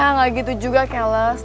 ya ga gitu juga keles